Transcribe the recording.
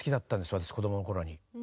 私子どもの頃に。